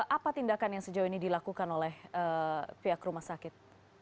apa tindakan yang sejauh ini dilakukan oleh pihak rumah sakit